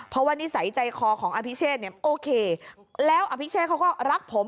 เพราะว่านิสัยใจคอของอภิเชษเนี่ยโอเคแล้วอภิเชษเขาก็รักผม